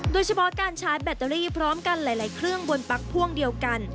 โดยเฉพาะการชาร์จแบตเตอรี่พร้อมกันหลายเครื่องบนปั๊กพ่วงเดียวกัน